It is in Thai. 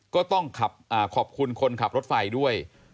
ก็ต้องขอบคุณคนขับรถไฟด้วย